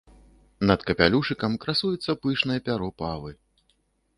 Над капялюшыкам красуецца пышнае пяро павы.